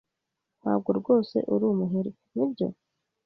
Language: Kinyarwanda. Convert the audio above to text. Ntabwo rwose uri umuherwe, nibyo?